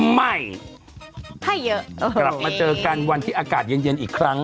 ใหม่ให้เยอะกลับมาเจอกันวันที่อากาศเย็นเย็นอีกครั้ง